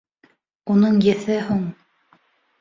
Уның еҫе һуң.